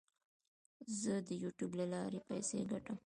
زه د یوټیوب له لارې پیسې ګټم.